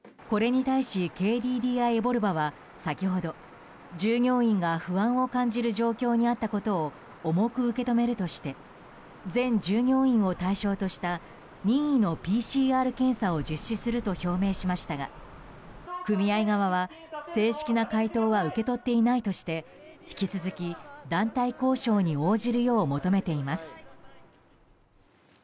これに対し、ＫＤＤＩエボルバは先ほど、従業員が不安を感じる状況にあったことを重く受け止めるとして全従業員を対象とした任意のＰＣＲ検査を実施すると表明しましたが組合側は、正式な回答は受け取っていないとして引き続き団体交渉に応じるよう求めています。